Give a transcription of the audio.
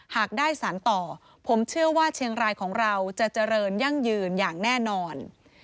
หากได้สารต่อผมเชื่อว่าเชียงรายของเราจะเจริญยั่งยืนอย่างแน่นอน